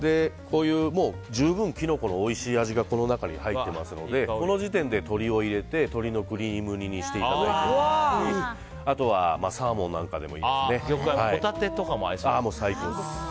十分キノコのおいしい味が入っていますのでこの時点で鶏を入れて鶏のクリーム煮にしていただいてもいいですしあとはホタテとかも合いそうですね。